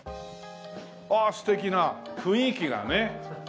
ああ素敵な雰囲気がね。